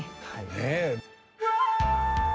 ねえ。